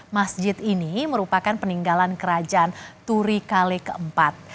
masjid ini merupakan peninggalan kerajaan turi kale keempat